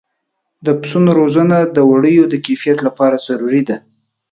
د پسونو روزنه د وړیو د کیفیت لپاره ضروري ده.